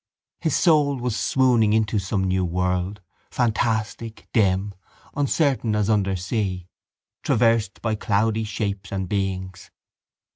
His soul was swooning into some new world, fantastic, dim, uncertain as under sea, traversed by cloudy shapes and beings.